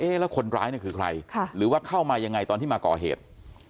แล้วคนร้ายเนี่ยคือใครหรือว่าเข้ามายังไงตอนที่มาก่อเหตุ